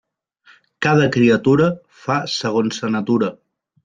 Cada criatura fa segons sa natura.